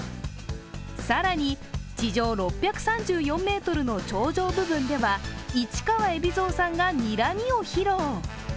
更に地上６３４ｍの頂上部分では市川海老蔵さんがにらみを披露。